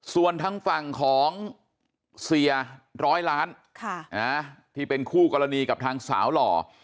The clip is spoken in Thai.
ส่วนทางฝั่งของเสียร้อยล้านที่เป็นคู่กรณีกับทางสาวหล่อ